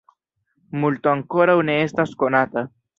Multo ankoraŭ ne estas konata.